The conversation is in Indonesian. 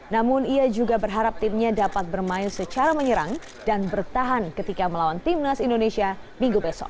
namun ia juga berharap timnya dapat bermain secara menyerang dan bertahan ketika melawan timnas indonesia minggu besok